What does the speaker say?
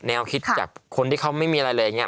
แนวคิดจากคนที่เขาไม่มีอะไรเลยอย่างนี้